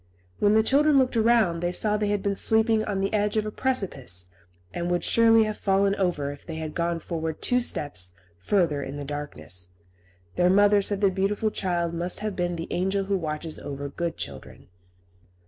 When the children looked around they saw they had been sleeping on the edge of a precipice, and would surely have fallen over if they had gone forward two steps further in the darkness. Their mother said the beautiful child must have been the angel who watches over good children.